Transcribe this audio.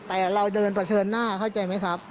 แต่เราเดินเผชิญหน้าเข้าใจไหมครับ